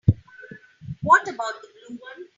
What about the blue one?